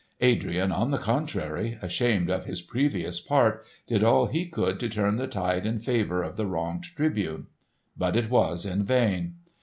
Adrian, on the contrary, ashamed of his previous part, did all he could to turn the tide in favour of the wronged Tribune. But it was in vain.